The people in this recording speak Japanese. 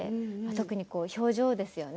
特に表情ですよね。